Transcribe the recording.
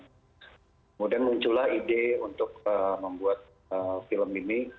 kemudian muncullah ide untuk membuat film ini